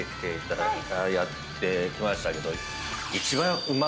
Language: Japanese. やってきましたけど。